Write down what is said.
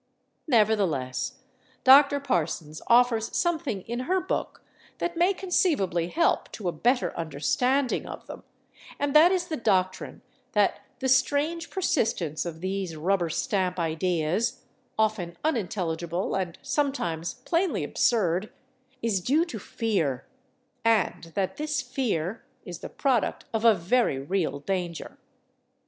Nevertheless, Dr. Parsons offers something in her book that may conceivably help to a better understanding of them, and that is the doctrine that the strange persistence of these rubber stamp ideas, often unintelligible and sometimes plainly absurd, is due to fear, and that this fear is the product of a very real danger.